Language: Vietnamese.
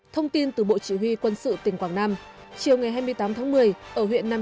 thông tin từ bộ chỉ huy quân sự tỉnh quảng nam